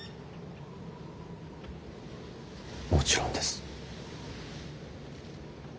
もちろんです。